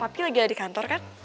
tapi lagi ada di kantor kan